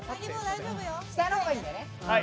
下の方がいいんだよね。